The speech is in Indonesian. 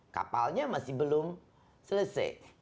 kapalnya masih belum selesai